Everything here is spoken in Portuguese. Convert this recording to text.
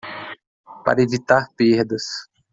Para evitar perdas